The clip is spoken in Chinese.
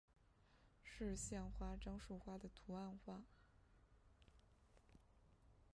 是县花樟树花的图案化。